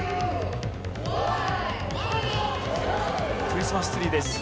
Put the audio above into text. クリスマスツリーです。